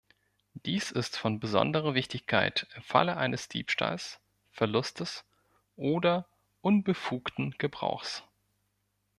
Dies ist von besonderer Wichtigkeit im Falle eines Diebstahls, Verlustes oder unbefugten Gebrauchs.